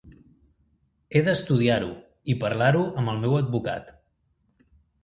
He d’estudiar-ho i parlar-ho amb el meu advocat.